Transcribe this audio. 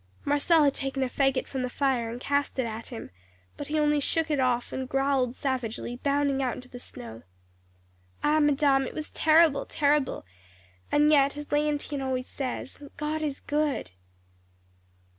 Marcelle had taken a fagot from the fire, and cast it at him, but he only shook it off, and growled savagely, bounding out into the snow. "Ah, madame, it was terrible terrible; and yet, as Léontine always says, God is good.